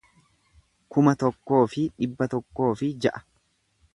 kuma tokkoo fi dhibba tokkoo fi ja'a